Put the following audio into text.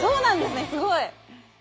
すごい。